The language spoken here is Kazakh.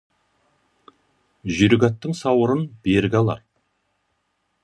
Жүйрік аттың сауырын берік алар.